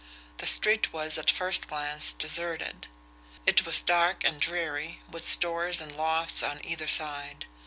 The street was, at first glance, deserted; it was dark and dreary, with stores and lofts on either side.